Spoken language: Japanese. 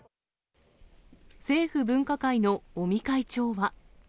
政府分科会の尾身会長は。